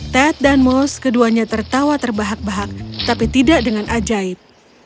ted dan moos keduanya tertawa terbahak bahak tapi tidak dengan ajaib